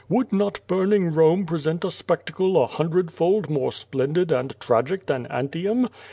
Would not burning Rome present a spectacle a hundredfold more splendid and tragic than Antium?